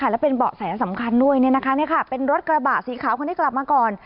และเป็นเบาะแสสำคัญด้วยเป็นรถกระบะสีขาวคนที่กลับมาก่อน